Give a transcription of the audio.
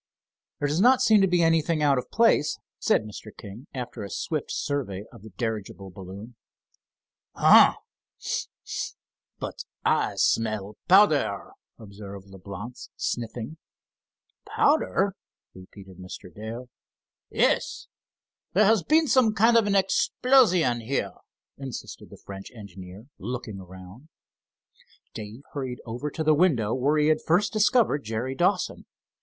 "There does not seem to be anything out of place," said Mr. King, after a swift survey of the dirigible balloon. "Oh, but I smell powder," observed Leblance, sniffing. "Powder?" repeated Mr. Dale. "Yes. There has been some kind of an explosion here," insisted the French engineer looking around. Dave hurried over to the window where he had first discovered Jerry Dawson.